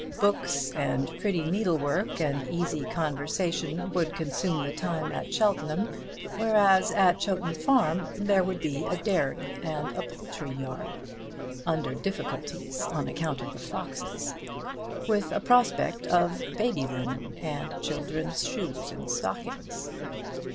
Books and pretty needlework and easy conversation would consume the time at Cheltenham, whereas at Chowton Farm there would be a dairy and a poultry yard, under difficulties on account of the foxes, with a prospect of baby linen and children's shoes and stockings.